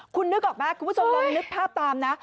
คุณนึกออกไหมคุณผู้ชมลองนึกภาพตามนะ